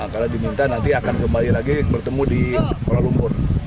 karena diminta nanti akan kembali lagi bertemu di kuala lumpur